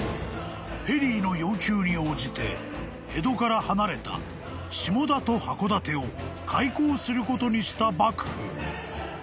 ［ペリーの要求に応じて江戸から離れた下田と函館を開港することにした幕府］